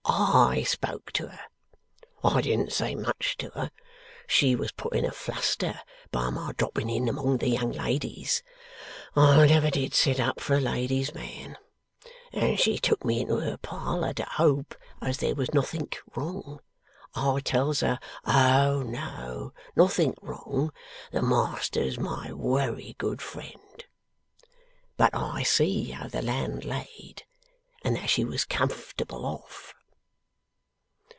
'I spoke to her. I didn't say much to her. She was put in a fluster by my dropping in among the young ladies (I never did set up for a lady's man), and she took me into her parlour to hope as there was nothink wrong. I tells her, "O no, nothink wrong. The master's my wery good friend." But I see how the land laid, and that she was comfortable off.